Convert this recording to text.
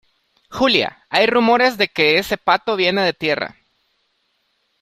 Julia, hay rumores de que ese pato viene de tierra